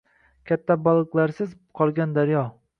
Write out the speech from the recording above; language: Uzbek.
Katta baliqlarsiz qolgan daryo!